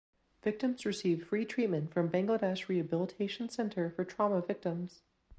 Victims received free treatment from Bangladesh Rehabilitation Centre for Trauma Victims.